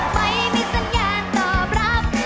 ไม่มีสัญญาณตอบรับ